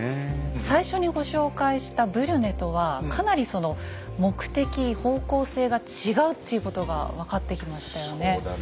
最初にご紹介したブリュネとはかなりその目的方向性が違うっていうことが分かってきましたよね。